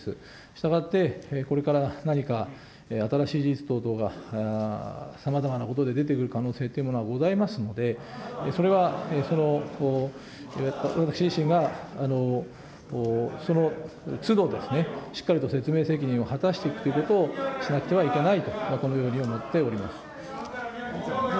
したがってこれから、何か新しい事実等々がさまざまなことで出てくる可能性ということはございますので、それはその、そのつど、しっかりと説明責任を果たしていくということをしなくてはいけないと、このように思っております。